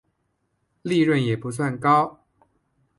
利润也不算高